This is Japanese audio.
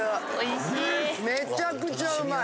めちゃくちゃうまい！